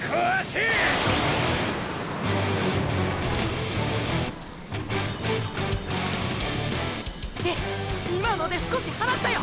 い今ので少し離したよ！！